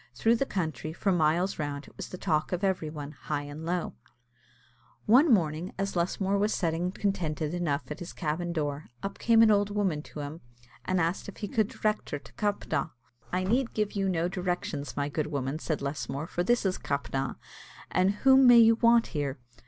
Through the country, for miles round, it was the talk of every one, high and low. One morning, as Lusmore was sitting contented enough at his cabin door, up came an old woman to him, and asked him if he could direct her to Cappagh. "I need give you no directions, my good woman," said Lusmore, "for this is Cappagh; and whom may you want here?"